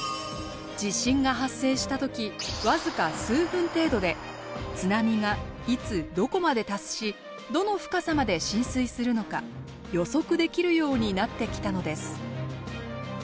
地震が発生した時わずか数分程度で津波がいつどこまで達しどの深さまで浸水するのか予測できるようになってきたのです。